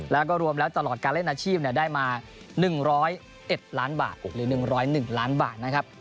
แล้วก็รวมแล้วตลอดการเล่นอาชีพได้มา๑๐๑ล้านบาทนะครับ